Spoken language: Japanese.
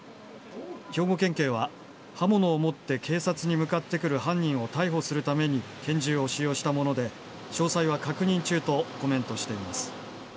兵庫県警は刃物を持って警察に向かってくる犯人を逮捕するために拳銃を使用したもので詳細は確認中とコメントしています。